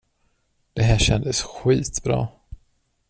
Det här kändes skitbra!